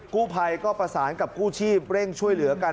กู้ภัยก็ประสานกับกู้ชีพเร่งช่วยเหลือกัน